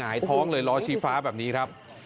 หายท้องเลยล้อชี้ฟ้าแบบนี้ครับ